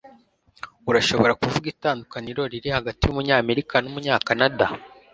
urashobora kuvuga itandukaniro riri hagati yumunyamerika numunyakanada